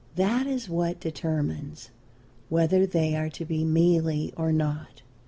That is what determines whether they are to be mealy or not.